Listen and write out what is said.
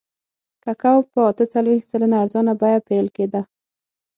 کوکو په اته څلوېښت سلنه ارزانه بیه پېرل کېده.